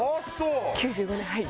９５年はい。